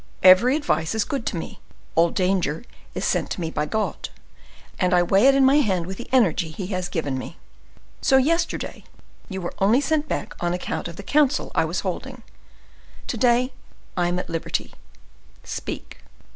Every advice is good to me; all danger is sent to me by God, and I weigh it in my hand with the energy He has given me. So, yesterday, you were only sent back on account of the council I was holding. To day I am at liberty,—speak."